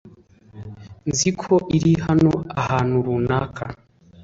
Nzi ko iri hano ahantu runaka .